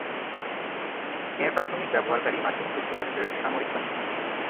এর প্রাথমিক ব্যবহারকারী মার্কিন যুক্তরাষ্ট্রের সামরিক বাহিনী।